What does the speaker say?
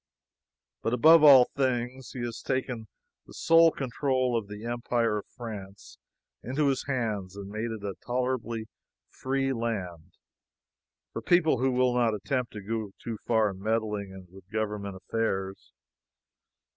But above all things, he has taken the sole control of the empire of France into his hands and made it a tolerably free land for people who will not attempt to go too far in meddling with government affairs.